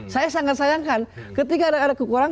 saya sangat sayangkan ketika ada kekurangan